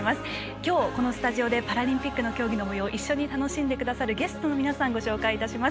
今日、このスタジオでパラリンピックの競技のもようを一緒に楽しんでくださるゲストの皆さんをご紹介いたします。